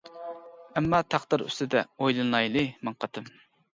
ئەمما تەقدىر ئۈستىدە، ئويلىنايلى مىڭ قېتىم.